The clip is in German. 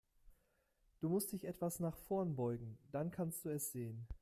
Du musst dich etwas nach vorn beugen, dann kannst du es sehen.